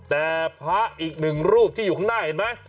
แต่พระอีกหนึ่งรูปที่อยู่ข้างหน้าเห็นไหม